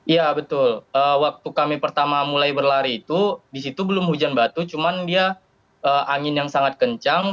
ya betul waktu kami pertama mulai berlari itu di situ belum hujan batu cuman dia angin yang sangat kencang